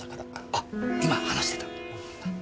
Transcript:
あっ今話してた！